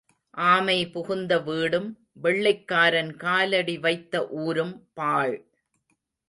ஆமை புகுந்த வீடும் வெள்ளைக்காரன் காலடி வைத்த ஊரும் பாழ்.